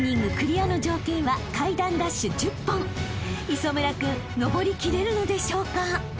［磯村君上りきれるのでしょうか？］